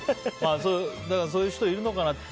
だから、そういう人いるのかな。